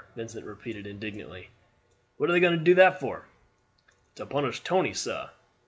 Vincent repeated indignantly. "What are they going to do that for?" "To punish Tony, sah.